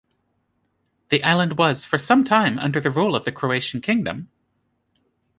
The island was for some time under the rule of the Croatian kingdom.